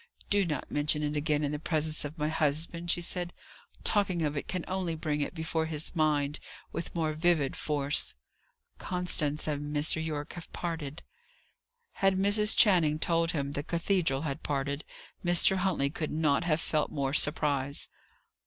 "Do not mention it again in the presence of my husband," she said: "talking of it can only bring it before his mind with more vivid force. Constance and Mr. Yorke have parted." Had Mrs. Channing told him the cathedral had parted, Mr. Huntley could not have felt more surprise.